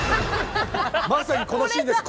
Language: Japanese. まさにこのシーンです。